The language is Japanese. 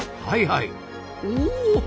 はいはい。